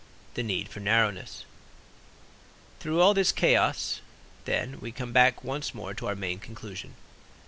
THE NEED FOR NARROWNESS Through all this chaos, then we come back once more to our main conclusion.